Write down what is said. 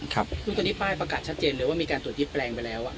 ซึ่งตอนนี้ป้ายประกาศชัดเจนเลยว่ามีการตรวจยึดแปลงไปแล้ว